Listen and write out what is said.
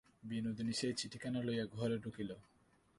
বিনোদিনী সেই চিঠিখানা লইয়া ঘরে ঢুকিল।